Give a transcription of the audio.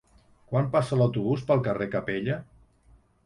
Quan passa l'autobús pel carrer Capella?